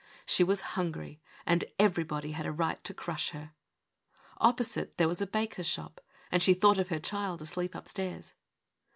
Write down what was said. She was hungry and everybody had a right to crush her. Opposite there was a baker's shop, and she thought of her child asleep up stairs.